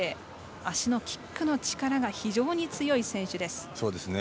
足のキックの力が非常に強い選手です。